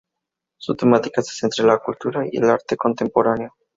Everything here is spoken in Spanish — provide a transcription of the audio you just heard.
Su temática se centra en la cultura y el arte contemporáneo.